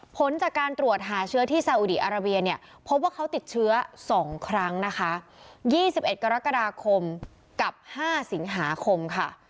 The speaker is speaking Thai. ผลจากการตรวจหาเชื้อที่ซาอุดีอาราเบียเนี่ยพบว่าเขาติดเชื้อ๒ครั้งนะคะ๒๑กรกฎาคมกับ๕สิงหาคมค่ะ